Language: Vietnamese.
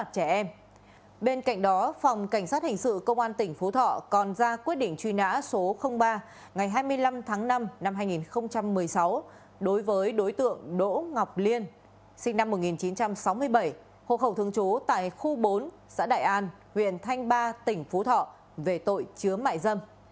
cảnh sát hình sự công an tỉnh phú thọ còn ra quyết định truy nã số ba ngày hai mươi năm tháng năm năm hai nghìn một mươi sáu đối với đối tượng đỗ ngọc liên sinh năm một nghìn chín trăm sáu mươi bảy hồ khẩu thương chố tại khu bốn xã đại an huyện thanh ba tỉnh phú thọ về tội chứa mại dâm